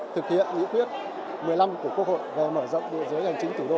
thực hiện lý quyết một mươi năm của quốc hội về mở rộng địa dưới hành chính thủ đô hà nội